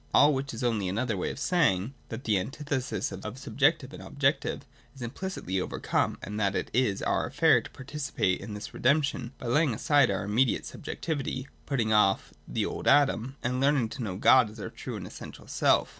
All which is only another way of saying that the antithesis of subjective and objective is implicitly overcome, and that it is our affair to participate in this redemption by laying aside our immediate subjectivity (putting off the old Adam), and learning to know God as our true and essential self.